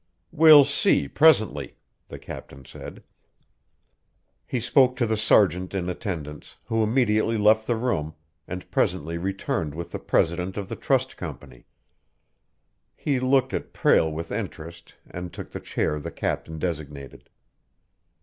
"We'll see presently," the captain said. He spoke to the sergeant in attendance, who immediately left the room, and presently returned with the president of the trust company. He looked at Prale with interest, and took the chair the captain designated.